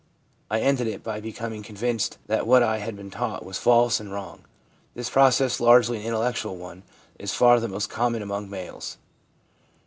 I ended it by becoming con vinced that what I had been taught was false and wrong/ This process, largely an intellectual one, is far the most common among males.